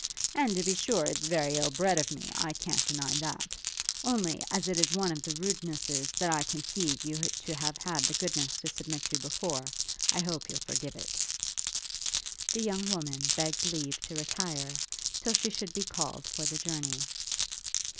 And, to be sure, it's very ill bred of me: I can't deny that; only as it is one of the rudenesses that I conceive you to have had the goodness to submit to before, I hope you'll forgive it.' The young woman begged leave to retire, till she should be called for the journey.